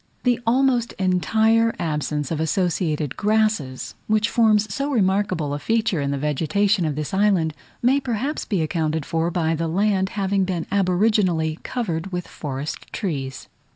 The almost entire absence of associated grasses, which forms so remarkable a feature in the vegetation of this island, may perhaps be accounted for by the land having been aboriginally covered with forest trees.